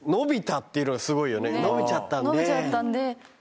「伸びちゃったんで」